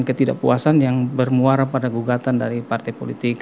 dan ketidakpuasan yang bermuara pada gugatan dari partai politik